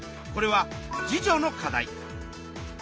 これは自助の課題。